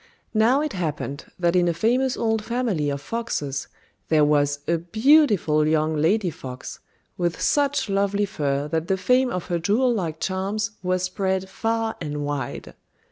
Now it happened that in a famous old family of foxes there was a beautiful young lady fox, with such lovely fur that the fame of her jewel like charms was spread far and wide.